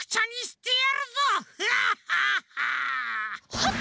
はっ！